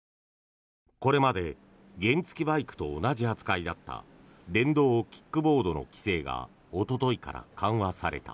これまで原付きバイクと同じ扱いだった電動キックボードの規制がおとといから緩和された。